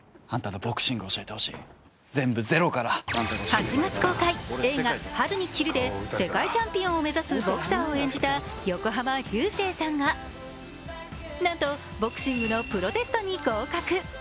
８月公開、映画「春に散る」で世界チャンピオンを目指すボクサーを演じた横浜流星さんがなんと、ボクシングのプロテストに合格。